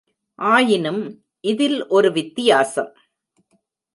ஆயினும் இதில் ஒரு வித்தியாசம்.